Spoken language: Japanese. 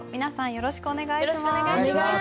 よろしくお願いします。